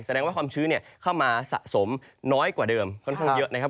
แสดงว่าความชื้นเข้ามาสะสมน้อยกว่าเดิมค่อนข้างเยอะนะครับ